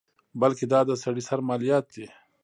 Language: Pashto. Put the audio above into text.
بلکې دا د سړي سر مالیات دي.